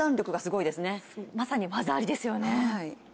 まさに技ありですよね。